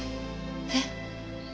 えっ？